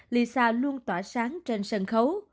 lisa luôn tỏa sáng trên sân khấu